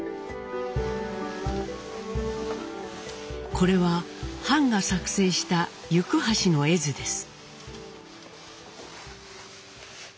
これは藩が作成した行橋の絵図です。